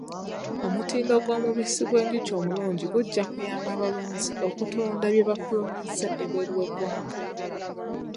Omutindo gw'omubisi gw'enjuko omulungi gujja kuyamba abalunzi okutunda bye bafulumizza ebweru w'eggwanga.